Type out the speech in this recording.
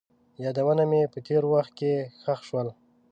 یادونه مې په تېر وخت کې ښخ شول.